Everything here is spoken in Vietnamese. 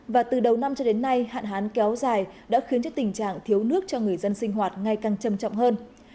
và từ đầu năm cho đến nay hạn hán kéo dài đã khiến tình trạng thiếu nước cho người dân sinh hoạt ngay càng châm trọng hơn